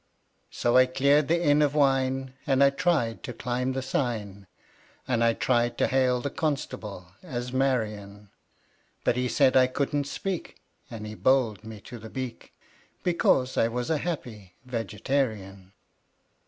So I cleared the inn of wine, And I tried to climb the sign, And I tried to hail the constable as "Marion." But he said I couldn't speak, And he bowled me to the Beak Because I was a Happy Vegetarian.